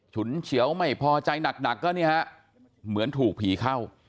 ชุ่นเฉียวไม่พอช่ายหนักแล้วเนี่ยเหมือนถูกผี่เข้า